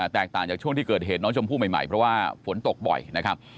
แตกต่างจากช่วงที่เกิดเหตุน้องชมพู่ใหม่เพราะว่าฝนตกบ่อยนะครับ